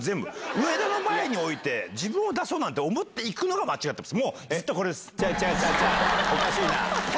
上田の前において、自分を出そうなんて思っていくのが間違ってます。